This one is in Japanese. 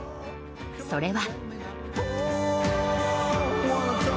それは。